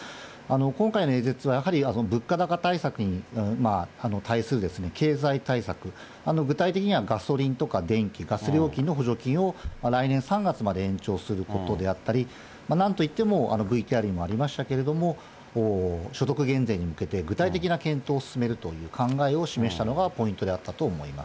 今回の演説、やはり、物価高対策に対する経済対策、具体的にはガソリンとか電気、ガス料金の補助金を来年３月まで延長することであったり、なんといっても、ＶＴＲにもありましたけど、所得減税に向けて具体的な検討を進めるという考えを示したのがポイントであったと思います。